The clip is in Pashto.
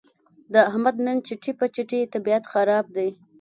د احمد نن چټي په چټي طبیعت خراب دی.